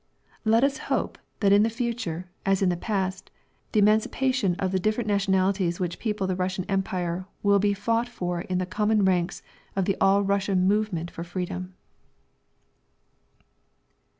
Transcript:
Let us hope that in the future, as in the past, the emancipation of the different nationalities which people the Russian Empire will be fought for in the common ranks of the all Russian movement for freedom.